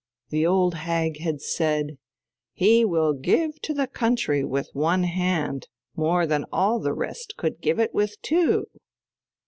The old hag had said: "He will give to the country with one hand more than all the rest could give it with two."